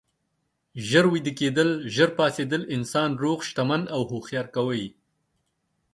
ژر ویده کیدل، ژر پاڅیدل انسان روغ، شتمن او هوښیار کوي.